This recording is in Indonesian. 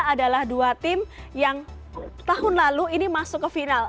adalah dua tim yang tahun lalu ini masuk ke final